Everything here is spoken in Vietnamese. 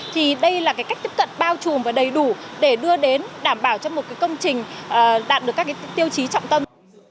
thì đây là cách tiếp cận bao trùm và đầy đủ để đưa đến đảm bảo cho một công trình đạt được các tiêu chí trọng tâm